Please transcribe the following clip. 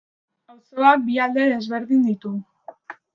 Auzoak bi alde desberdin ditu.